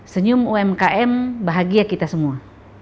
senyum umkm bahagia kita semua